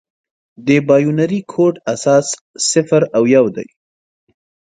د بایونري کوډ اساس صفر او یو دی.